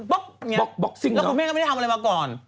แล้วคุณแม่ก็ไม่ได้ทำอะไรมาก่อน